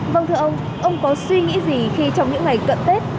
vâng thưa ông ông có suy nghĩ gì khi trong những ngày cận tết